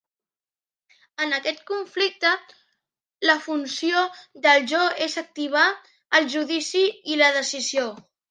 En aquest conflicte, la funció del jo és activar el judici i la decisió.